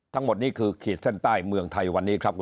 ทั้งหมดนี้คือขีดเส้นใต้เมืองไทยวันนี้ครับ